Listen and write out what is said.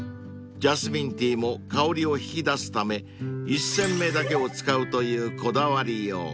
［ジャスミンティーも香りを引き出すため１煎目だけを使うというこだわりよう］